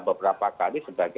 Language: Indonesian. beberapa kali sebagai